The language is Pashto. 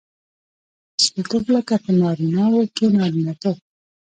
اصیلتوب؛ لکه په نارينه وو کښي نارينه توب.